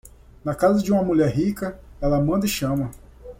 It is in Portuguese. Na casa de uma mulher rica, ela manda e chama.